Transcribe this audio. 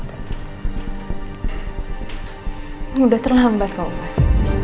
udah terlambat kau mas